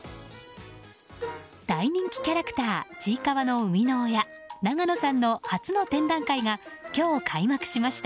大人気キャラクターちいかわの生みの親ナガノさんの初の展覧会が今日、開幕しました。